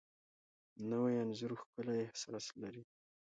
نوی انځور ښکلی احساس لري